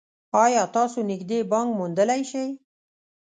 ایا تاسو نږدې بانک موندلی شئ؟